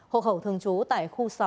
hộ khẩu thường chú tại khu sáu